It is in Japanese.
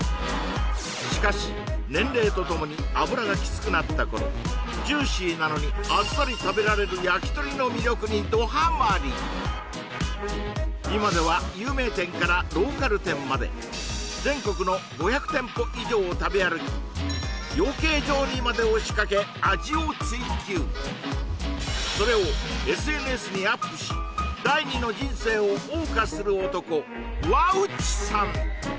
しかし年齢とともに頃ジューシーなのにあっさり食べられるやきとりの魅力にどハマり今では有名店からローカル店までを食べ歩き養鶏場にまで押しかけ味を追求それをＳＮＳにアップし第２の人生を謳歌する男和内さん